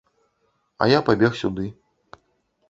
А я пабег сюды.